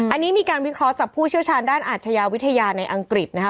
อันนี้มีการวิเคราะห์จากผู้เชี่ยวชาญด้านอาชญาวิทยาในอังกฤษนะคะ